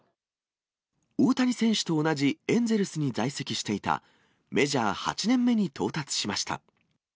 大谷選手と同じエンゼルスに在籍していたメジャー８年目に到達しました。